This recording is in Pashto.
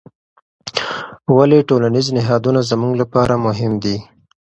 ولې ټولنیز نهادونه زموږ لپاره مهم دي؟